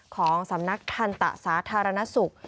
ของสำนักทันตะสาธารณสุข